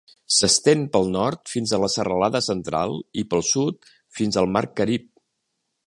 S'estén pel nord fins a la Serralada Central i pel sud fins al mar Carib.